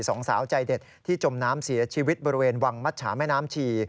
สองสาวใจเด็ดที่จมน้ำเสียชีวิตบริเวณวังมัชชาแม่น้ำชี